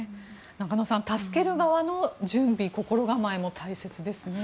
中野さん、助ける側の準備心構えも大切ですね。